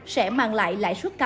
sẽ mang lại lãi suất cao hơn